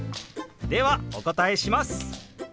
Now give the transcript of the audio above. ではお答えします。